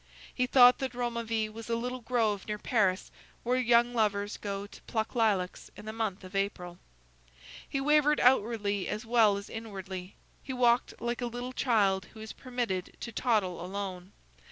He thought that Romainville was a little grove near Paris, where young lovers go to pluck lilacs in the month of April. He wavered outwardly as well as inwardly. He walked like a little child who is permitted to toddle alone.